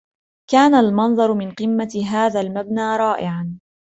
كان المنظر من قمة هذا المبنى رائعا.